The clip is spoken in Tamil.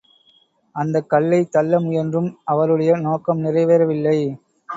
அந்தக் கல்லைத் தள்ள முயன்றும், அவருடைய நோக்கம் நிறைவேறவில்லை.